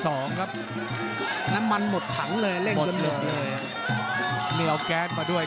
ที่สองครับน้ำมันหมดถังเลยหมดเลยไม่เอาแก๊สมาด้วย